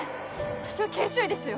私は研修医ですよ